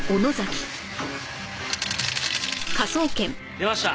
出ました！